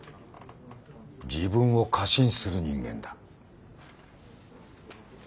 自分を過信する人間だ。